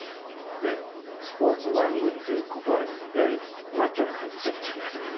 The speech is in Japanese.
でスポーツ番組っていうことはいわゆるマッチョな感じするじゃないですか。